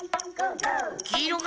きいろか？